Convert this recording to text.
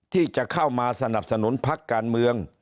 ที่จะเข้ามาสนับสนุนพักการเมือง